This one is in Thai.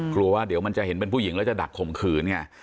กลัวว่าเดี๋ยวมันจะเห็นเป็นผู้หญิงแล้วจะดักข่มขืนไง